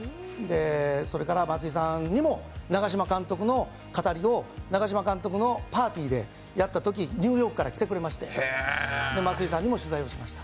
それから松井さんにも、長嶋監督の語りを長嶋監督のパーティーでやったときニューヨークから来てくれまして松井さんにも取材しました。